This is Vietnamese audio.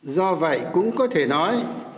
do vậy cũng có thể nói